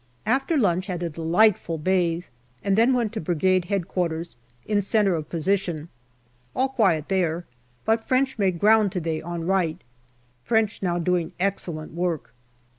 After lunch, had a delight ful bathe, and then went to Brigade H.Q. in centre of position. All quiet there, but French made ground to day on right. French now doing excellent work.